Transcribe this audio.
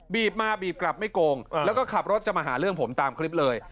มาบีบกลับไม่โกงแล้วก็ขับรถจะมาหาเรื่องผมตามคลิปเลย